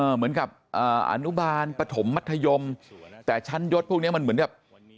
เหมือนกับอนุบาลปฐมมัธยมแต่ชั้นยศพวกนี้มันเหมือนกับ